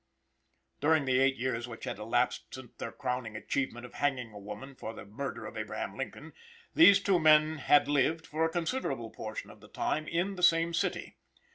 During the eight years which had elapsed since their crowning achievement of hanging a woman for the murder of Abraham Lincoln, these two men had lived, for a considerable portion of the time, in the same city.